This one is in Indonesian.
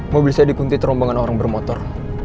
mobil saya dikunti terombongan orang bermotor